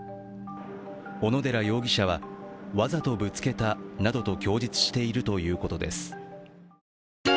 小野寺容疑者は、わざとぶつけたなどと供述しているということです。